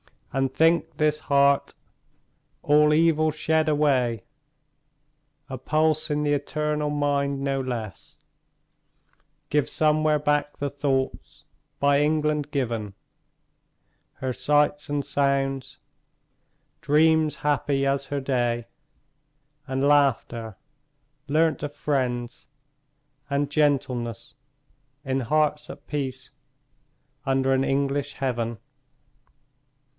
And think, this heart, all evil shed away, A pulse in the eternal mind, no less Gives somewhere back the thoughts by England given; Her sights and sounds; dreams happy as her day; And laughter, learnt of friends; and gentleness, In hearts at peace, under an English heaven.